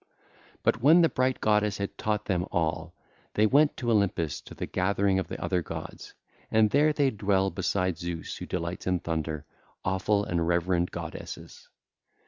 (ll. 483 489) But when the bright goddess had taught them all, they went to Olympus to the gathering of the other gods. And there they dwell beside Zeus who delights in thunder, awful and reverend goddesses.